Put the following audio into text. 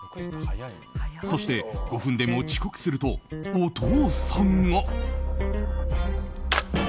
そして、５分でも遅刻するとお父さんが。